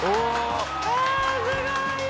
あすごいよ。